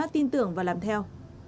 tin tưởng và làm theo